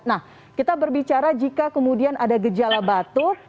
nah kita berbicara jika kemudian ada gejala batuk